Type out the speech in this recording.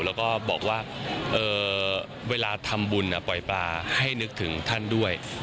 แล้วก็บอกว่าเวลาทำบุญปล่อยปลาให้นึกถึงท่านด้วย